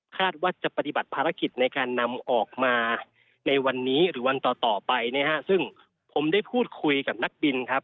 คาดว่าจะปฏิบัติภารกิจในการนำออกมาในวันนี้หรือวันต่อต่อไปนะฮะซึ่งผมได้พูดคุยกับนักบินครับ